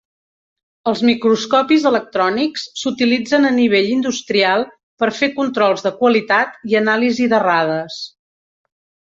Els microscopis electrònics s"utilitzen a nivell industrial per fer controls de qualitat i anàlisi d"errades.